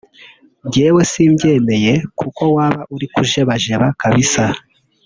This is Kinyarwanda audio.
gewe simbyemeye kko waba uri kujebajeba kbsa